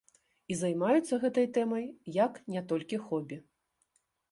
І займаюцца гэтай тэмай як не толькі хобі.